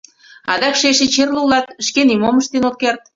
Адакше эше черле улат, шке нимом ыштен от керт.